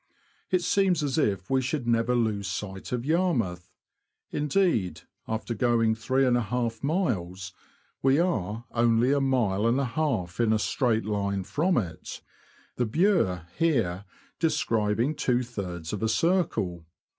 It seems as if we should never lose sight of Yarmouth ; indeed, after going three and a half miles, we are only a mile and a half in a straight line from it, the Bure here describing two thirds of a circle.